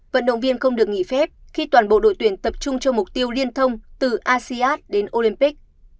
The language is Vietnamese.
vận động viên không được nghỉ phép khi toàn bộ đội tuyển tập trung cho mục tiêu liên thông từ asean đến olympic